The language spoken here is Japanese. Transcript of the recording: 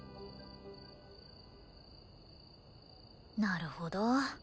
なるほど。